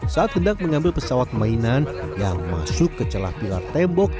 saat hendak mengambil pesawat mainan yang masuk ke celah pilar tembok